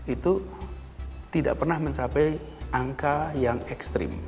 itu tidak pernah mencapai angka yang ekstrim